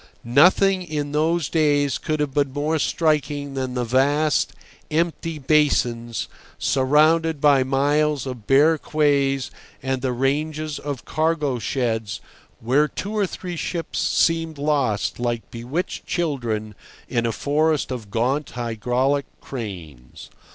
Nothing in those days could have been more striking than the vast, empty basins, surrounded by miles of bare quays and the ranges of cargo sheds, where two or three ships seemed lost like bewitched children in a forest of gaunt, hydraulic cranes.